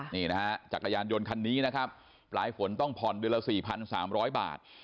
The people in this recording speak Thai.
นี่นะฮะจักรยานยนต์คันนี้นะครับปลายฝนต้องผ่อนเดือนละ๔๓๐๐บาท